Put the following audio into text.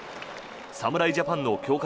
侍ジャパンの強化